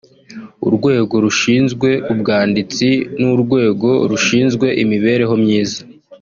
urwego rushinzwe ubwanditsi n'urwego rushinzwe imibereho myiza